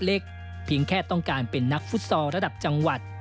มีความฝันเล็กแค่ต้องการเป็นนักฟุตซอร์ระดับจังหวัด